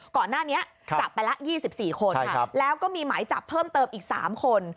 ก่อนหน้านี้จับไปละ๒๔คนแล้วก็มีหมายจับเพิ่มเติมอีก๓คน